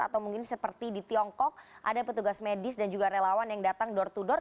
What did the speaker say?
atau mungkin seperti di tiongkok ada petugas medis dan juga relawan yang datang door to door